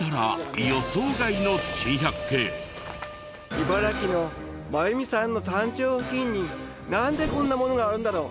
茨城の真弓山の山頂付近になんでこんなものがあるんだろう？